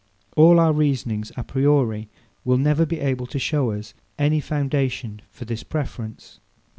All our reasonings a priori will never be able to show us any foundation for this preference.